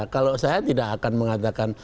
kalau saya tidak akan mengatakan